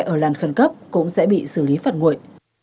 ở làn khẩn cấp cũng sẽ bị xử lý phạt nguội